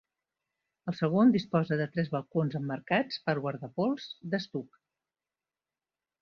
El segon disposa de tres balcons emmarcats per guardapols d'estuc.